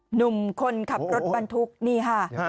หนุ่มคนขับรถบรรทุกนี่ค่ะ